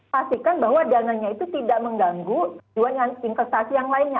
pastikan bahwa dananya itu tidak mengganggu investasi yang lainnya